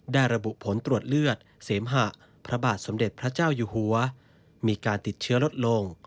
ระบุผลตรวจเลือดเสมหะพระบาทสมเด็จพระเจ้าอยู่หัวมีการติดเชื้อลดลง